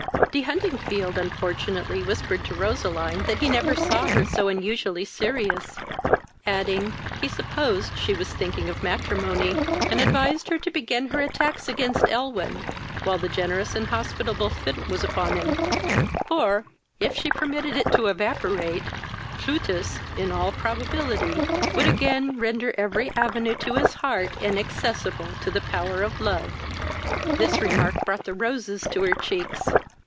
De Huntingfield unfortunately whispered to Roseline that he never saw her so unusually serious, adding, he supposed she was thinking of matrimony, and advised her to begin her attacks against Elwyn, while the generous and hospitable fit was upon him; for, if she permitted it to evaporate, Plutus, in all probability would again render every avenue to his heart inaccessible to the power of love. This remark brought the roses into her cheeks.